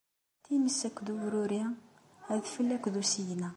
Times akked ubruri, adfel akked usigna.